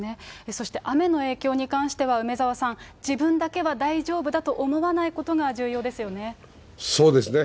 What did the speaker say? そして、雨の影響に関しては、梅沢さん、自分だけは大丈夫だと思わないことが重そうですね。